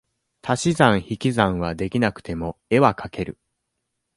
足し算引き算は出来なくても、絵は描ける。